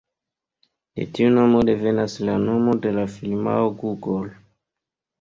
De tiu nomo devenas la nomo de la firmao Google.